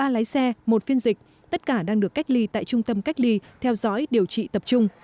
ba lái xe một phiên dịch tất cả đang được cách ly tại trung tâm cách ly theo dõi điều trị tập trung